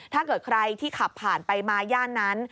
ถ้าเกิดใครที่ขับผ่านไปมาย่านนั้น